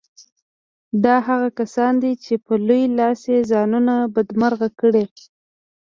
دا هغه کسان دي چې په لوی لاس یې ځانونه بدمرغه کړي